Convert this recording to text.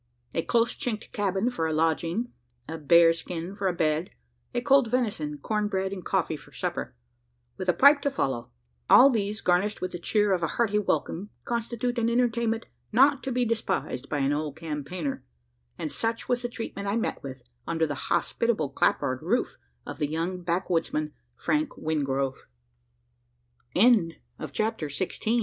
A close chinked cabin for a lodging; a bear skin for a bed; cold venison, corn bread, and coffee for supper; with a pipe to follow: all these, garnished with the cheer of a hearty welcome, constitute an entertainment not to be despised by an old campaigner; and such was the treatment I met with, under the hospitable clapboard roof of the young backwoodsman Frank Wingrove. CHAPTER SEVENTEEN. THE INDIAN SUMMER. Look